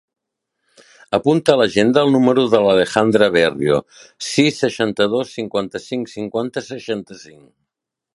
Apunta a l'agenda el número de l'Alejandra Berrio: sis, seixanta-dos, cinquanta-cinc, cinquanta, seixanta-cinc.